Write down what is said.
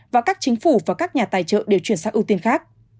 và các chính phủ và các nhà tài trợ đều chuyển sang ưu tiên khác